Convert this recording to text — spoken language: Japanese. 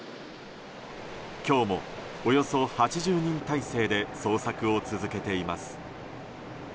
今日もおよそ８０人態勢で捜索を続けています。